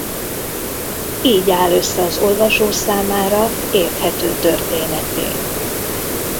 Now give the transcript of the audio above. Így áll össze az olvasó számára érthető történetté.